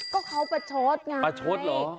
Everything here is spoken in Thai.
ก็เขาประโชทย์ประโชทย์หรอ